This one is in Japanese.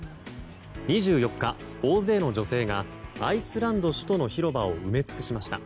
２４日、大勢の女性がアイスランド首都の広場を埋め尽くしました。